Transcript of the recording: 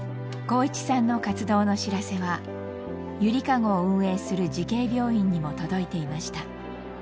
航一さんの活動の知らせはゆりかごを運営する慈恵病院にも届いていました。